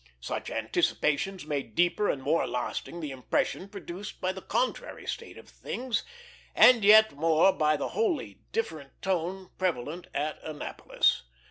Such anticipations made deeper and more lasting the impression produced by the contrary state of things, and yet more by the wholly different tone prevalent at Annapolis.